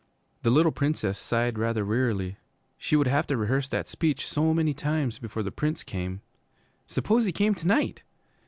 The little Princess sighed rather wearily. She would have to rehearse that speech so many times before the Prince came. Suppose he came to night!